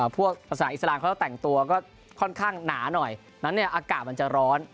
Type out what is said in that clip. พวกศาลอิสราชน์เขาต้องแต่งตัวก็ค่อนข้างหนาหน่อยดังนั้นเนี้ยอากาศมันจะร้อน